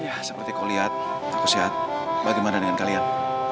ya seperti kau lihat aku sehat bagaimana dengan kalian